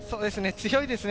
強いですね。